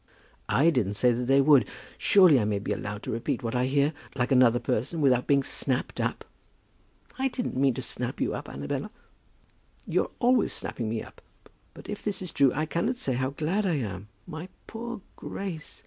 "I didn't say that they would. Surely I may be allowed to repeat what I hear, like another person, without being snapped up." "I didn't mean to snap you up, Annabella." "You're always snapping me up. But if this is true, I cannot say how glad I am. My poor Grace!